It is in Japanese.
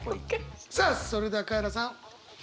さあそれではカエラさん。